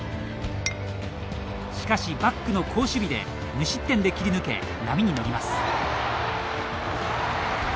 しかし、バックの好守備で無失点で切り抜け、波に乗ります。